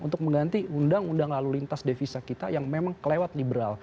untuk mengganti undang undang lalu lintas devisa kita yang memang kelewat liberal